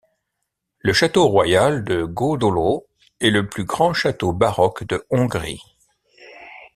Le château royal de Gödöllő est le plus grand château baroque de Hongrie.